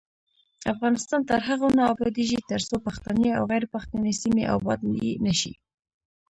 افغانستان تر هغو نه ابادیږي، ترڅو پښتني او غیر پښتني سیمې ابادې نشي.